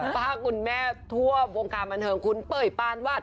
ป้าคุณแม่ทั่ววงการบันเทิงคุณเป้ยปานวาด